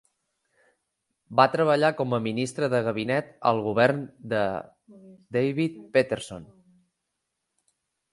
Va treballar com a ministre de gabinet al govern de David Peterson.